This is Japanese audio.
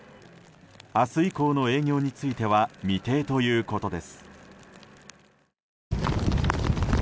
明日以降の営業については未定ということです。